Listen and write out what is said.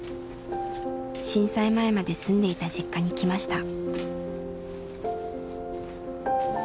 震災前まで住んでいた実家に来ました。